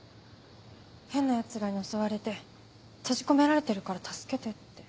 変なヤツらに襲われて閉じ込められてるから助けてって。